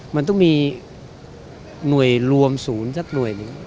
มันต้องมีหน่วยรวมศูนย์สักหน่วยหนึ่ง